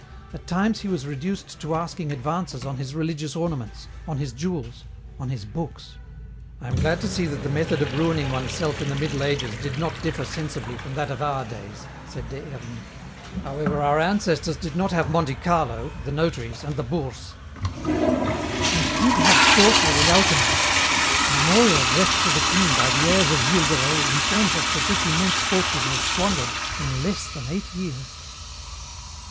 At times he was reduced to asking advances on his religious ornaments, on his jewels, on his books." "I am glad to see that the method of ruining oneself in the Middle Ages did not differ sensibly from that of our days," said Des Hermies. "However, our ancestors did not have Monte Carlo, the notaries, and the Bourse." "And did have sorcery and alchemy. A memorial addressed to the king by the heirs of Gilles de Rais informs us that this immense fortune was squandered in less than eight years.